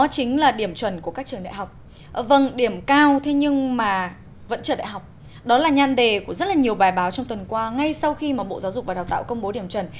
chị nghĩ sao về vấn đề của rất nhiều bài báo trong tuần qua ngay sau khi bộ giáo dục và đào tạo công bố điểm trần